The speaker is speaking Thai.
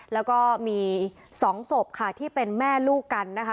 แล้วก็มี๒ศพค่ะที่เป็นแม่ลูกกันนะคะ